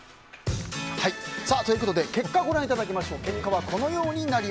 結果ご覧いただきましょう。